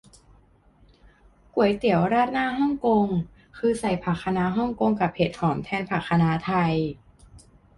ก๋วยเตี๋ยวราดหน้าฮ่องกงคือใส่ผักคะน้าฮ่องกงกับเห็ดหอมแทนผักคะน้าไทย